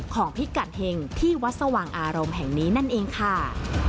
พิกัดเห็งที่วัดสว่างอารมณ์แห่งนี้นั่นเองค่ะ